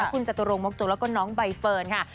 คุณจตุรงมกโจกแล้วก็น้องใบเฟิร์นค่ะ